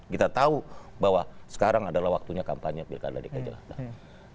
kita tahu bahwa sekarang adalah waktunya kampanye pilkada dki jakarta